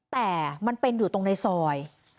แต่มันเป็นอยู่ตรงในซอย